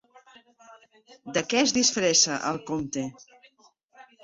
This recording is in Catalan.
De què es disfressa el Comte?